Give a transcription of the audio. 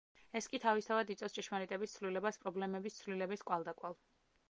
ეს კი თავისთავად იწვევს ჭეშმარიტების ცვლილებას პრობლემების ცვლილების კვალდაკვალ.